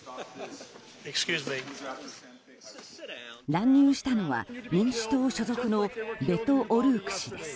乱入したのは民主党所属のベト・オルーク氏です。